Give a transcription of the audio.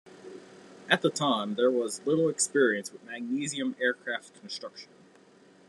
At the time there was little experience with magnesium aircraft construction.